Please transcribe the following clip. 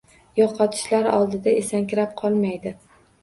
Yoʻqotishlar oldida esankirab qolmaydi